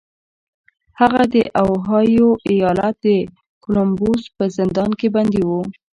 هغه د اوهایو ایالت د کولمبوس په زندان کې بندي و